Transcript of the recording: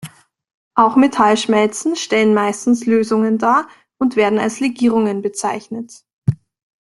Auch Metallschmelzen stellen meistens Lösungen dar und werden als Legierungen bezeichnet.